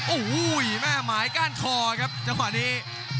โอ้โหแม่หมายก้านคอครับจังหวะนี้